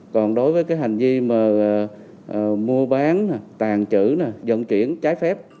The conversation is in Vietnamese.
còn đối với cái hành vi mà mua bán tàn trữ dẫn chuyển trái phép